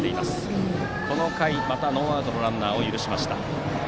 この回またノーアウトのランナーを許しました。